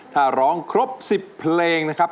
ถ้าร้องครบ๑๐เพลงนะครับ